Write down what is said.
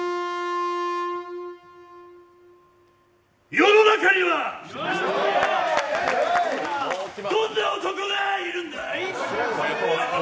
世の中にはどんな男がいるんだい。